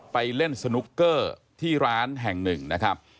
ไปเล่นสนุกเกอร์ที่ร้านแห่งหนึ่งนะครับ